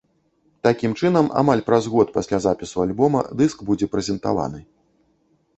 Такім чынам, амаль праз год пасля запісу альбома дыск будзе прэзентаваны.